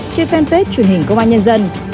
trên fanpage truyền hình công an nhân dân